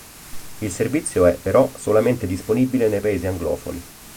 Il servizio è, pero, solamente disponibile nei paesi anglofoni.